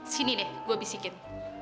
sini deh gue bisikin